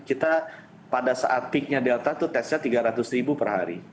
kita pada saat peaknya delta itu tesnya tiga ratus ribu per hari